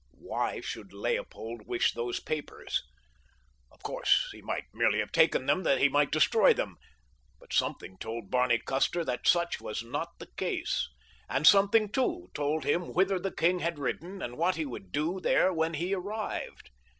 Why should Leopold wish these papers? Of course, he might merely have taken them that he might destroy them; but something told Barney Custer that such was not the case. And something, too, told him whither the king had ridden and what he would do there when he arrived.